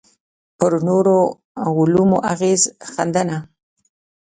پر نورو علومو اغېز ښنده.